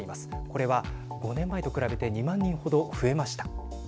これは、５年前と比べて２万人程増えました。